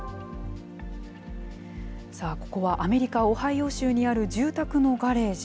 ここはアメリカ・オハイオ州にある住宅のガレージ。